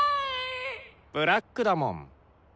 ブラックだもん。